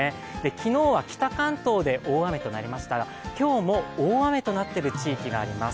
昨日は北関東で大雨となりましたが、今日も大雨となっている地域があります。